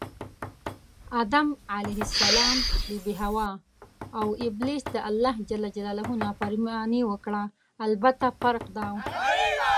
آدم ع، بي بي حوا اوابلیس دالله ج نافرماني وکړه البته فرق دا و